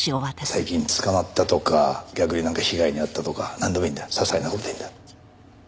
最近捕まったとか逆になんか被害に遭ったとかなんでもいいんだ些細な事でいいんだ。